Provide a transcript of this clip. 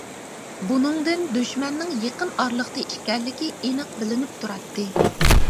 بۇنىڭدىن دۈشمەننىڭ يېقىن ئارىلىقتا ئىكەنلىكى ئېنىق بىلىنىپ تۇراتتى.